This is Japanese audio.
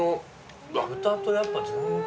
豚とやっぱ全然。